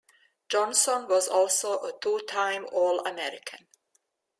Johnson was also a two time All-American.